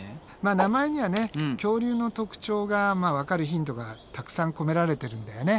名前にはね恐竜の特徴がわかるヒントがたくさん込められてるんだよね。